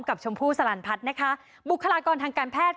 ชมพู่สลันพัฒน์นะคะบุคลากรทางการแพทย์